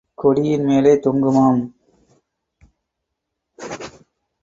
கொடியில் மேலே தொங்குமாம்.